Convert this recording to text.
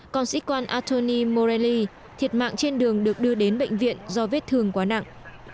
còn sĩ quan antony morelli thiệt mạng trên đường được đưa đến bệnh viện do vết thương quá nặng